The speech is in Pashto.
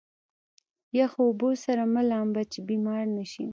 يخو اوبو سره مه لامبه چې بيمار نه شې.